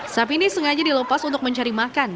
sapi ini sengaja dilepas untuk mencari makan